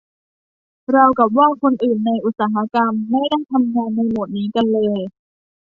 ราวกับว่าคนอื่นในอุตสาหกรรมไม่ได้ทำงานในโหมดนี้กันเลย